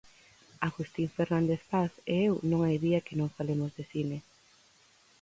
Agustín Fernández Paz e eu non hai día que non falemos de cine.